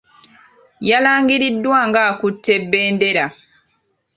Yalangiriddwa ng'akutte bendera.